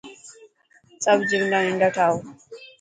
سب جملا ننڊا ٺائو.